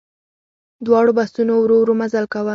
دواړو بسونو ورو ورو مزل کاوه.